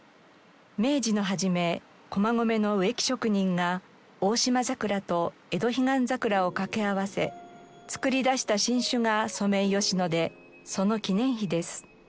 明治の初め駒込の植木職人が大島桜と江戸彼岸桜をかけ合わせ作り出した新種がソメイヨシノでその記念碑です。